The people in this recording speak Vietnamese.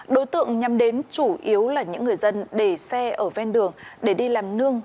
đối tượng nhằm đến chủ yếu là những người dân để xe ở ven đường để đi làm nương